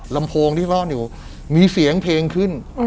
ลำโพงที่ซ่อนอยู่มีเสียงเพลงขึ้น